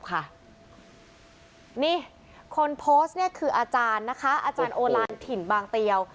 นี่คนโพสต์เนี่ยคืออาจารย์นะคะอาจารย์โอลานถิ่นบางเตียว